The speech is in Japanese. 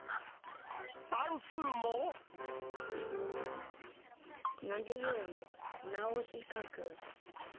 算数も。なんていうん？